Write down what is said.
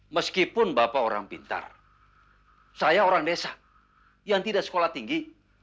meskipun bapak orang pintar saya orang desa yang tidak sekolah tinggi